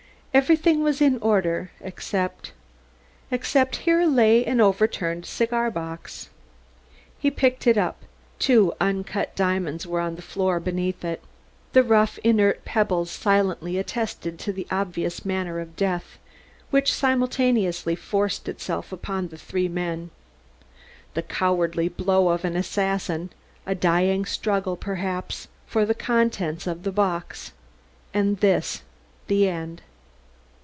Everything was in order, except except here lay an overturned cigar box. He picked it up; two uncut diamonds were on the floor beneath it. The rough, inert pebbles silently attested the obvious manner of death which simultaneously forced itself upon the three men the cowardly blow of an assassin, a dying struggle, perhaps, for the contents of the box, and this the end!